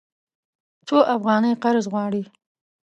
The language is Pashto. څو افغانۍ قرض غواړې؟